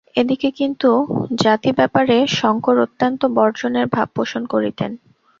এদিকে কিন্তু জাতি-ব্যাপারে শঙ্কর অত্যন্ত বর্জনের ভাব পোষণ করিতেন।